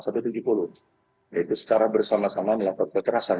yaitu secara bersama sama melakukan kekerasan